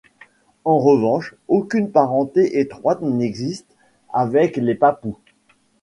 En revanche, aucune parenté étroite n’existe avec les Papous.